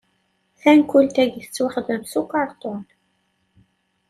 Tankult-a tettwaxdem s ukerṭun.